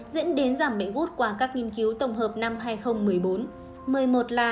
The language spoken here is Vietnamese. dẫn đến giảm bệnh gút qua các nghiên cứu tổng hợp năm hai nghìn một mươi bốn là